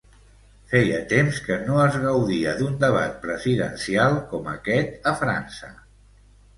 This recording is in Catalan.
Feia temps que no es gaudia d'un debat presidencial com aquest a França.